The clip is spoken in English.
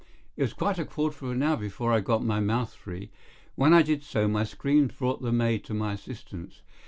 It was quite a quarter of an hour before I got my mouth free. When I did so, my screams brought the maid to my assistance.